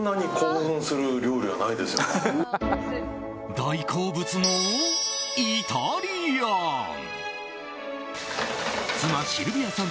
大好物のイタリアン！